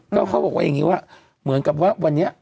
ก็เขาบอกว่าอย่างนี้ว่าเหมือนกับว่าวันนี้